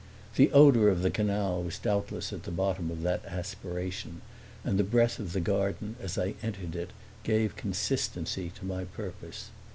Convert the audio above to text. The odor of the canal was doubtless at the bottom of that aspiration and the breath of the garden, as I entered it, gave consistency to my purpose.